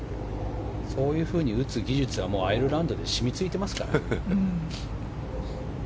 そういうふうに打つ技術はアイルランドで染みついていますから。